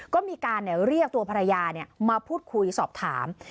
ก็มีการเรียกตัวภรรยามาพูดคุยสอบถาม